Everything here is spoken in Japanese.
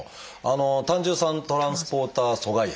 胆汁酸トランスポーター阻害薬。